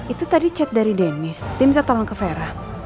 itu tadi chat dari dennis tim saya tolong ke fera